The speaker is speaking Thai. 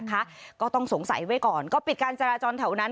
ก็ต้องสงสัยไว้ก่อนก็ปิดการจราจรแถวนั้น